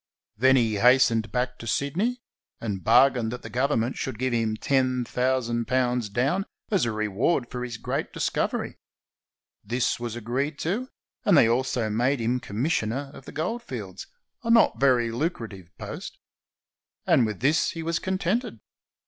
Then he hastened back to Sydney and bargained that Government should give him £10,000 down as a reward for his great discovery. This was agreed to, and they also made him commissioner on the goldfields, a not very lucrative post. And with this he was contented.